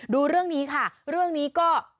ดูเรื่องนี้ค่ะเรื่องนี้ก็